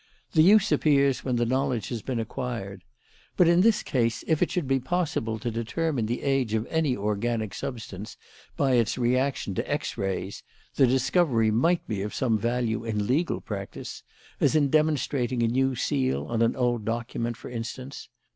The use appears when the knowledge has been acquired. But in this case, if it should be possible to determine the age of any organic substance by its reaction to X rays, the discovery might be of some value in legal practice as in demonstrating a new seal on an old document, for instance.